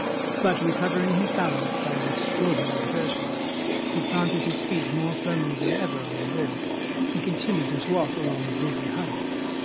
But recovering his balance by an extraordinary exertion, he planted his feet more firmly than ever on the wall, and continued his walk along the dizzy height.